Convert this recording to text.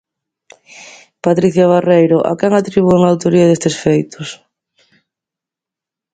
Patricia Barreiro, a quen atribúen a autoría destes feitos?